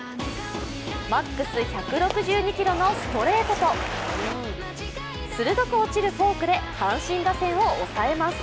マックス１６２キロのストレートと鋭く落ちるフォークで阪神打線を抑えます。